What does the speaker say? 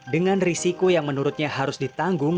dengan risiko yang menurutnya harus ditanggung